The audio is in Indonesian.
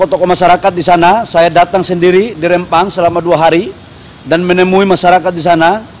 dengan tokoh tokoh masyarakat di sana saya datang sendiri di rempang selama dua hari dan menemui masyarakat di sana